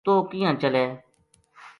توہ کیناں چلے